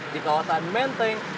di kawasan menteng